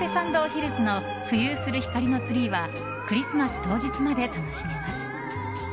ヒルズの浮遊する光のツリーはクリスマス当日まで楽しめます。